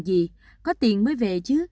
gì có tiền mới về chứ